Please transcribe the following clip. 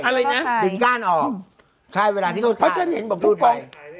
อะไรนะดึงก้านออกใช่เวลาที่เขาคายเพราะฉันเห็นผมพูดไป